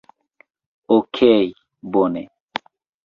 Okej' bone.